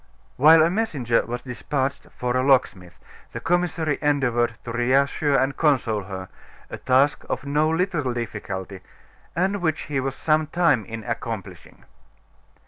While a messenger was despatched for a locksmith, the commissary endeavored to reassure and console her, a task of no little difficulty, and which he was some time in accomplishing.